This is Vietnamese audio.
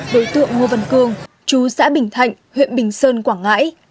đối tượng ngô văn cương chú xã bình thạnh huyện bình sơn quảng ngãi